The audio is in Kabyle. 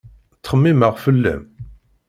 Ttxemmimeɣ fell-am